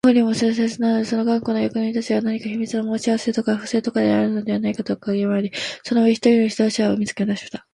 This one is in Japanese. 農夫にも痛切なので、その頑固な役人たちは何か秘密の申し合せとか不正とかでもあるのではないかとかぎ廻り、その上、一人の指導者を見つけ出した